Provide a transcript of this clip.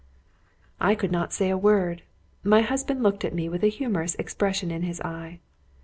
I could say not a word. My husband looked at me with a humorous expression in his eye.